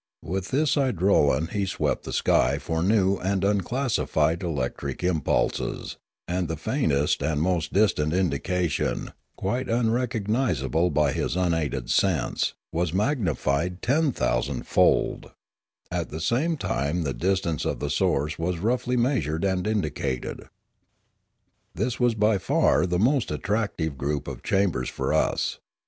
With this idrolan he swept the sky for new and unclassified electric impulses; and the faintest and most distant indication, quite unrecognisable by his unaided sense, was magnified ten thousand fold; at the same time 180 Limanora the distance of the source was roughly measured and indicated. This was by far the most attractive group of chambers for us.